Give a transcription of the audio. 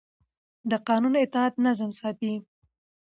د قانون اطاعت نظم ساتي